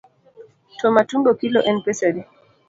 To matumbo kilo en pesa adi?